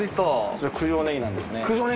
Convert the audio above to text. それ九条ネギなんですね。